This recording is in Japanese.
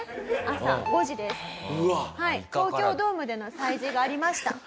東京ドームでの催事がありました。